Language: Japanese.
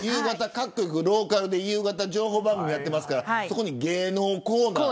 各局ローカルで夕方情報番組やってますからそこに芸能コーナー。